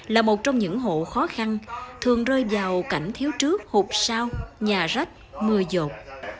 là một trong những hộ khó khăn thường rơi vào cảnh thiếu trước hụt sao nhà rách mưa dột